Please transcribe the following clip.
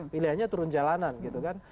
pilihannya turun jalanan gitu kan